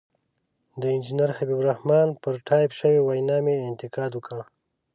د انجنیر حبیب الرحمن پر ټایپ شوې وینا مې انتقاد وکړ.